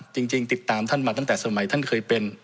จริงติดตามท่านมาตั้งแต่สมัยท่านเคยเป็น